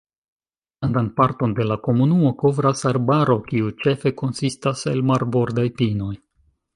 Grandan parton de la komunumo kovras arbaro, kiu ĉefe konsistas el marbordaj pinoj.